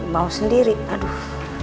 mau sendiri aduh